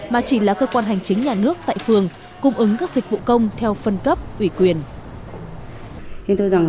mà chỉ là cơ quan hành chính nhà nước tại phường cung ứng các dịch vụ công theo phân cấp ủy quyền